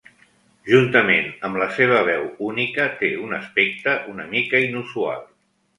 Juntament amb la seva veu única, té un aspecte una mica inusual.